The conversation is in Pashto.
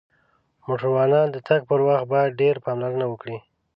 موټروانان د تک پر وخت باید ډیر پاملرنه وکړی